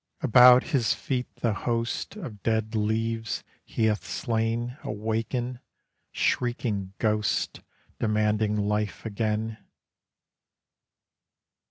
About his feet the hosts Of dead leaves he hath slain Awaken, shrieking ghosts Demanding life again.